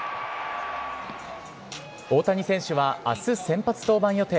大谷選手はあす、先発登板予定。